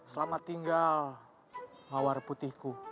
selamat tinggal mawar putihku